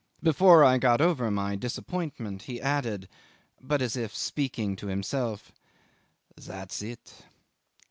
Before I got over my disappointment he added, but as if speaking to himself, "That's it.